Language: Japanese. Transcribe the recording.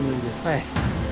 はい。